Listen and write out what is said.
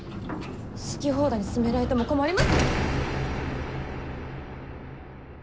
好き放題に進められても困りま。